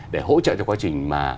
để hỗ trợ cho quá trình mà